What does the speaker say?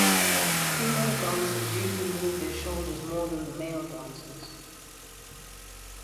Female dancers usually move their shoulders more than the male dancers.